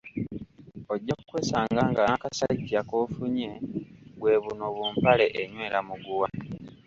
"Ojja kwesanga nga n'akasajja k'ofunye bwe buno bu ""mpale enywera muguwa"""